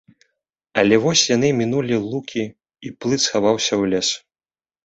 Але вось яны мінулі лукі, і плыт схаваўся ў лес.